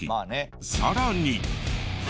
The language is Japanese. さらに。